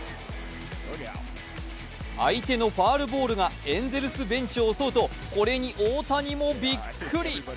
相手のファウルボールがエンゼルスベンチを襲うと、これに大谷もびっくり！